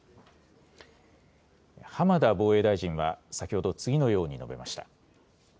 浜田防衛大臣は先ほど、次のように述べました。